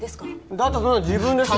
だってそんなん自分で調べ。